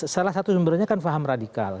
salah satu sumbernya kan faham radikal